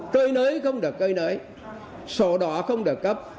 cây nới không được cây nới sổ đỏ không được cấp